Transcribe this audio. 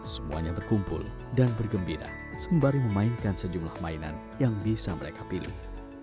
semuanya berkumpul dan bergembira sembari memainkan sejumlah mainan yang bisa mereka pilih